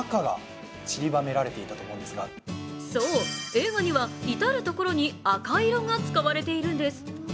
そう、映画には至る所に赤色が使われているんです。